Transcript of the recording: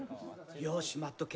よし待っとけ。